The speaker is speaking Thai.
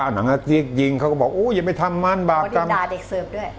อ่ะหนังก็จี๊กยิงเขาก็บอกอู้ยอย่าไปทำมันบากกรรมด่าเด็กเสิร์ฟด้วย